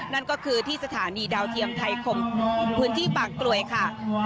นั่นก็คือที่สถานีดาวเทียมไทยคมพื้นที่บางกลวยค่ะ